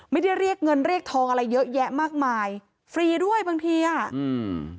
เรียกเงินเรียกทองอะไรเยอะแยะมากมายฟรีด้วยบางทีอ่ะอืม